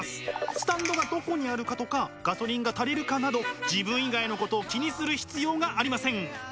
スタンドがどこにあるかとかガソリンが足りるかなど自分以外のことを気にする必要がありません。